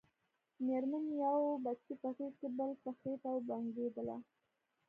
مېرمن يې يو بچی په غېږ کې بل په خېټه وبنګېدله.